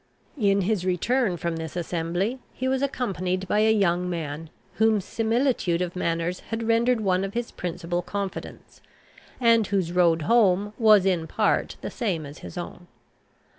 In his return from this assembly he was accompanied by a young man, whom similitude of manners had rendered one of his principal confidents, and whose road home was in part the same as his own.